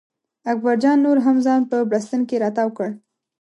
اکبر جان نور هم ځان په بړسټن کې را تاو کړ.